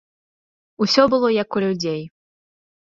Усё было як у людзей.